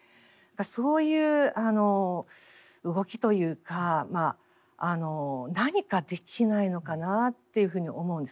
そういう動きというか何かできないのかなというふうに思うんですね。